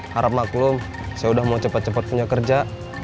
harap maklum saya udah mau cepet cepet punya kerja